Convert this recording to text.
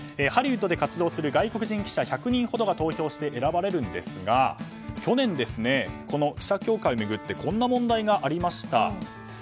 ハリウッドで活動する外国人記者１００人ほどが投票して選ばれますが去年、この記者協会を巡ってこんな問題がありました。